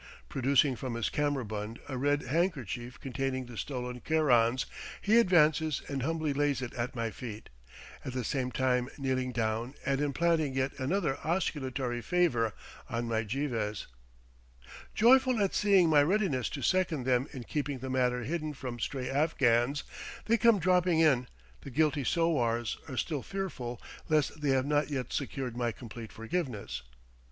Producing from his kammerbund a red handkerchief containing the stolen kerans, he advances and humbly lays it at my feet, at the same time kneeling down and implanting yet another osculatory favor on my geivehs. Joyful at seeing my readiness to second them in keeping the matter hidden from stray Afghans that come dropping in, the guilty sowars are still fearful lest they have not yet secured my complete forgiveness.